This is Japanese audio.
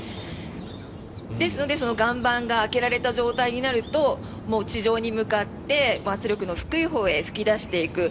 ですので岩盤が開けられた状態になると地上に向かって圧力の低いほうへ噴き出していく。